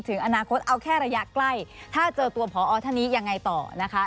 ถึงอนาคตเอาแค่ระยะใกล้ถ้าเจอตัวพอท่านนี้ยังไงต่อนะคะ